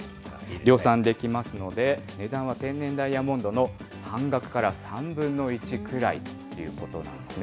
量産できますので、値段は天然ダイヤモンドの半額から３分の１くらいということなんですね。